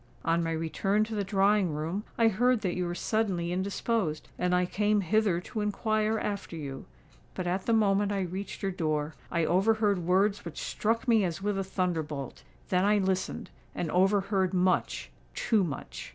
On my return to the drawing room, I heard that you were suddenly indisposed; and I came hither to inquire after you. But at the moment I reached your door, I overheard words which struck me as with a thunderbolt. Then I listened—and overheard much—too much!"